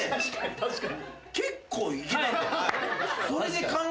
確かに。